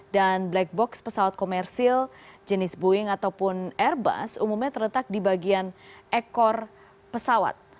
dan black box pesawat komersil jenis boeing ataupun airbus umumnya terletak di bagian ekor pesawat